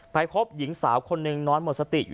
ไปพบหญิงสาวคนหนึ่งนอนหมดสติ